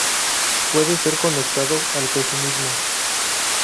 Puede estar conectado al pesimismo.